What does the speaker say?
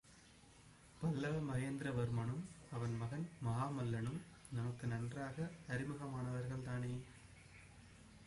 பல்லவ மகேந்திரவர்மனும் அவன் மகன் மகாமல்லனும் நமக்கு நன்றாக அறிமுகமானவர்கள் தானே.